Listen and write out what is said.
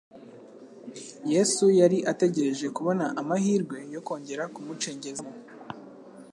Yesu yari ategereje kubona amahirwe yo kongera kumucengezamo